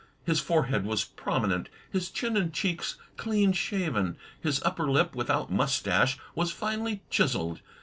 His forehead was prominent, his chin and cheeks clean shaven. His upper lip, without moustache, was finely chiselled.